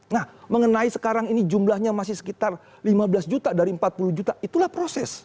nah mengenai sekarang ini jumlahnya masih sekitar lima belas juta dari empat puluh juta itulah proses